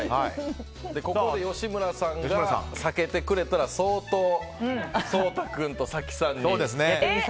ここで吉村さんが避けてくれたら相当、颯太君と早紀さんに。